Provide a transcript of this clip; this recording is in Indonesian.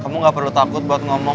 kamu gak perlu takut buat ngomong